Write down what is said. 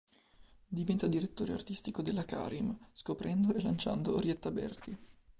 Diventa direttore artistico della Karim, scoprendo e lanciando Orietta Berti.